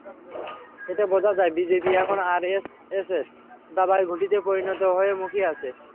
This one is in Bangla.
এতে বোঝা যায়, বিজেপি এখন আরএসএসের দাবার ঘুঁটিতে পরিণত হতে মুখিয়ে আছে।